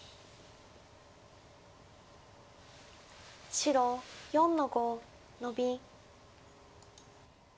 白４の五ノビ。